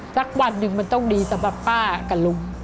สักวันหนึ่งมันต้องดีสำหรับป้ากับลุง